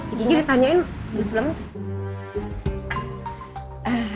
si gigi ditanyain dulu sebelumnya